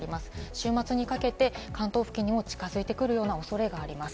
週末にかけて関東付近にも近づいてくる恐れがあります。